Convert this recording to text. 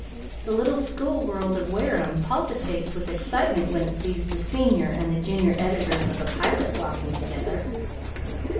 The little school world of Wareham palpitates with excitement when it sees the senior and the junior editors of The Pilot walking together!"